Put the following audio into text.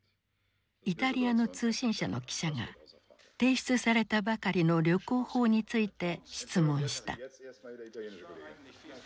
イタリアの通信社の記者が提出されたばかりの旅行法について質問した。